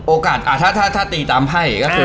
อ๋อโอกาสโอกาสอ่ะถ้าตีตามไพ่ก็คือ